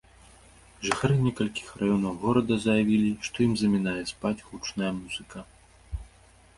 Жыхары некалькіх раёнаў горада заявілі, што ім замінае спаць гучная музыка.